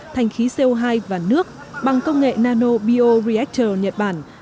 thành khí co hai và nước bằng công nghệ nano bio reactor nhật bản